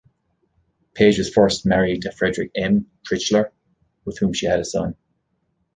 Page was first married to Frederick M. Tritschler, with whom she had a son.